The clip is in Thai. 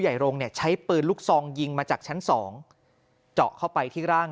โรงเนี่ยใช้ปืนลูกซองยิงมาจากชั้นสองเจาะเข้าไปที่ร่าง